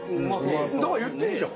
だから言ってんじゃん。